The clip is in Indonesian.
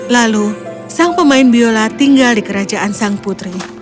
lalu sang pemain biola tinggal di kerajaan sang putri